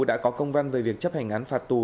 đã có công văn về việc chấp hành án phạt tù